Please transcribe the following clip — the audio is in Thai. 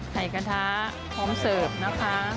กระทะพร้อมเสิร์ฟนะคะ